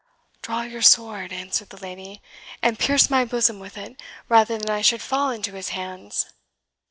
"Draw your sword," answered the lady, "and pierce my bosom with it, rather than I should fall into his hands!"